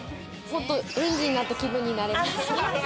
園児になった気分になれます。